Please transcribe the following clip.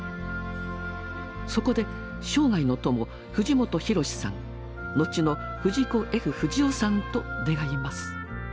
そこで生涯の友藤本弘さん後の藤子・Ｆ・不二雄さんと出会います。